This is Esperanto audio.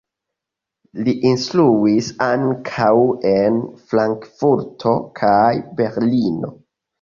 Li instruis ankaŭ en Frankfurto kaj Berlino.